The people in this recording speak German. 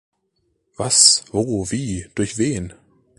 Was, wo, wie, durch wen?